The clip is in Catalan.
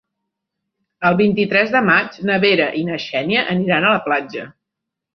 El vint-i-tres de maig na Vera i na Xènia aniran a la platja.